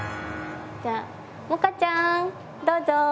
じゃあ百花ちゃんどうぞ。